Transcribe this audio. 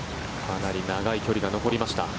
かなり長い距離が残りました。